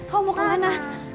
kau mau kemana